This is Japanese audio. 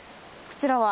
こちらは？